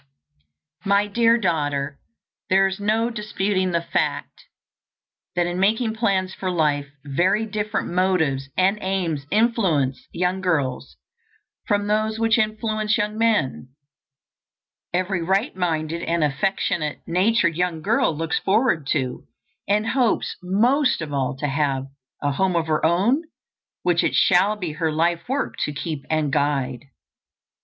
My Dear Daughter: There is no disputing the fact that in making plans for life very different motives and aims influence young girls from those which influence young men. Every right minded and affectionate natured young girl looks forward to, and hopes most of all to have, a home of her own, which it shall be her life work to keep and guide.